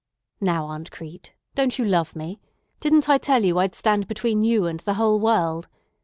"Now, Aunt Crete, don't you love me? Didn't I tell you I'd stand between you and the whole world?